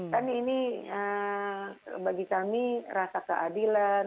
kan ini bagi kami rasa keadilan